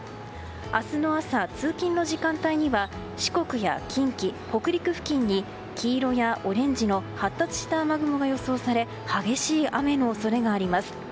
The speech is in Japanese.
明日の朝、通勤の時間帯には四国や近畿北陸付近に黄色やオレンジの発達した雨雲が予想され激しい雨の恐れがあります。